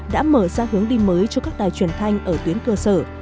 đã mở ra hướng đi mới cho các đài truyền thanh ở tuyến cơ sở